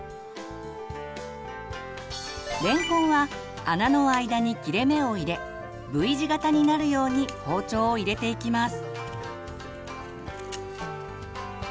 れんこんは穴の間に切れ目を入れＶ字型になるように包丁を入れていきます。